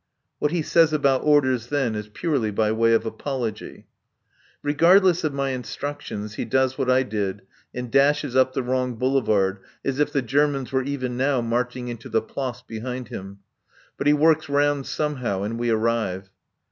What he says about orders then is purely by way of apology. Regardless of my instructions, he does what I did and dashes up the wrong boulevard as if the Germans were even now marching into the Place behind him. But he works round somehow and we arrive.